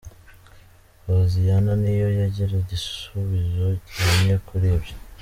Hoziana niyo yagira igisubizo gihamye kuri ibyo.